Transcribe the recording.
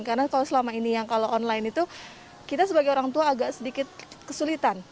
karena kalau selama ini yang kalau online itu kita sebagai orang tua agak sedikit kesulitan